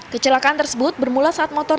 kecelakaan tersebut bermula saat motor